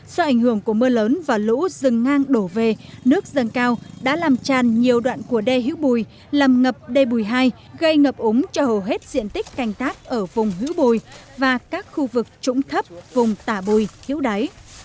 do ảnh hưởng của mưa lớn và lũ dừng ngang đổ về nước dâng cao đã làm tràn nhiều đoạn của đê hữu bùi làm ngập đê bùi hai gây ngập úng cho hầu hết diện tích canh tác ở vùng hữu bùi và các khu vực trũng thấp vùng tả bùi hữu đáy